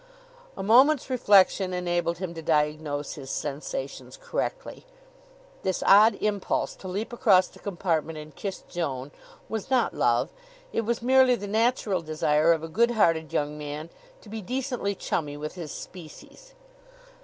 A moment's reflection enabled him to diagnose his sensations correctly. This odd impulse to leap across the compartment and kiss Joan was not love. It was merely the natural desire of a good hearted young man to be decently chummy with his species.